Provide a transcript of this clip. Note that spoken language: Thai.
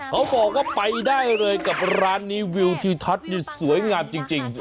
เขาบอกว่าไปได้เลยกับร้านนี้วิวทิวทัศน์นี่สวยงามจริง